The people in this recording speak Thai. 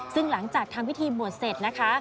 ซึ่งหลังจากทำพิธีบวชเสร็จนะคะ